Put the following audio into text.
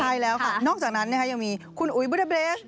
ใช่แล้วค่ะนอกจากนั้นนะคะยังมีคุณอุ๊ยบุรบเล็ก